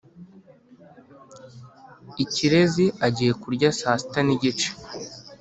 ikirezi agiye kurya saa sita nigice